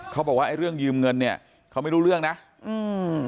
เขาบอกว่าไอ้เรื่องยืมเงินเนี้ยเขาไม่รู้เรื่องนะอืม